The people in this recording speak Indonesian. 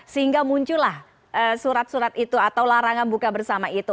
sehingga muncullah surat surat itu atau larangan buka bersama itu